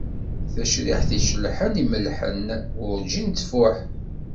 Tacriḥt icellḥen imellḥen, werǧin tfuḥ.